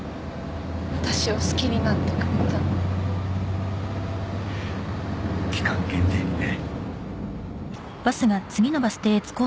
私を好きになってくれた期間限定にね